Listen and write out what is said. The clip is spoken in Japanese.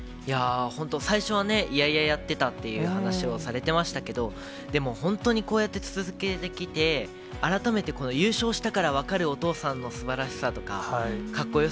本当、最初はね、嫌々やってたっていう話をされてましたけど、でも本当にこうやって続けてきて、改めて、この優勝したから分かるお父さんのすばらしさとか、かっこよ